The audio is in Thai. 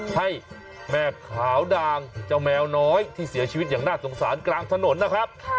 ให้แม่ขาวดางเจ้าแมวน้อยที่เสียชีวิตอย่างน่าสงสารกลางถนนนะครับ